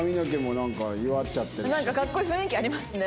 なんかかっこいい雰囲気ありますね。